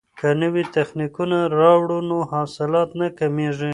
که نوي تخنیکونه راوړو نو حاصلات نه کمیږي.